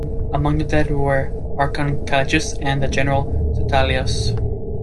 Among the dead were the war archon Callimachus and the general Stesilaos.